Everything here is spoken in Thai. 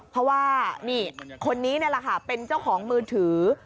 เพราะว่านี่คนนี้นี่แหละค่ะเป็นเจ้าของมือถือ